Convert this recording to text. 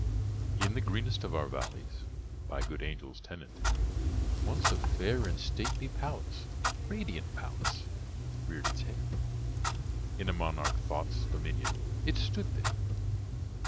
In the greenest of our valleys By good angels tenanted, Once a fair and stately palace— Radiant palace—reared its head. In the monarch Thought's dominion— It stood there!